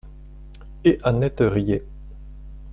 Et Annette riait.